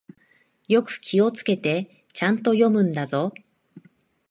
よく気をつけて、ちゃんと読むんだぞ。